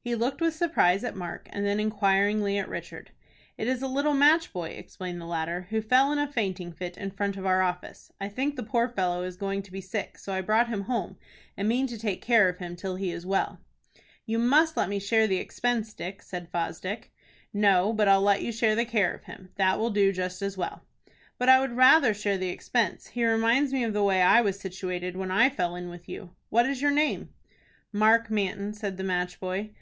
He looked with surprise at Mark, and then inquiringly at Richard. "It is a little match boy," explained the latter, "who fell in a fainting fit in front of our office. I think the poor fellow is going to be sick, so I brought him home, and mean to take care of him till he is well." "You must let me share the expense, Dick," said Fosdick. "No, but I'll let you share the care of him. That will do just as well." "But I would rather share the expense. He reminds me of the way I was situated when I fell in with you. What is your name?" "Mark Manton," said the match boy.